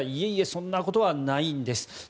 そんなことはないんです。